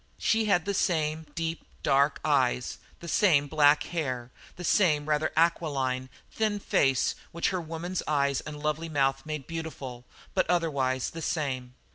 She had the same deep, dark eyes, the same black hair, the same rather aquiline, thin face which her woman's eyes and lovely mouth made beautiful, but otherwise the same.